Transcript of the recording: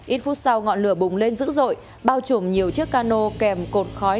ít phút sau ngọn lửa bùng lên dữ dội bao trùm nhiều chiếc cano kèm cột khói